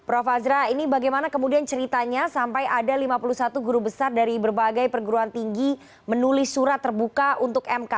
prof azra ini bagaimana kemudian ceritanya sampai ada lima puluh satu guru besar dari berbagai perguruan tinggi menulis surat terbuka untuk mk